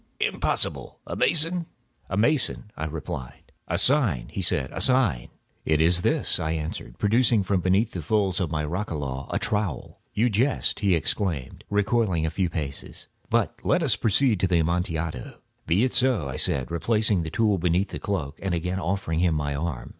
Impossible! A mason?" "A mason," I replied. "A sign," he said. "It is this," I answered, producing a trowel from beneath the folds of my roquelaire. "You jest," he exclaimed, recoiling a few paces. "But let us proceed to the Amontillado." "Be it so," I said, replacing the tool beneath the cloak, and again offering him my arm.